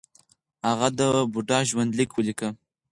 هغه د بودا ژوند لیک ولیکه